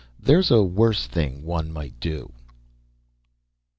there's a worse thing one might do....